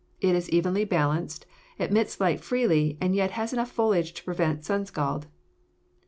It is evenly balanced, admits light freely, and yet has enough foliage to prevent sun scald.